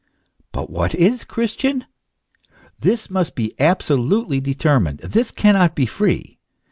But what is Christian? This must be absolutely determined, this cannot be free.